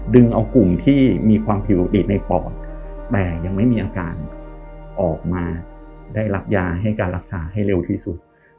ดึงเอากลุ่มที่มีความผิวดีดในปอดแต่ยังไม่มีอาการออกมาได้รับยาให้การรักษาให้เร็วที่สุด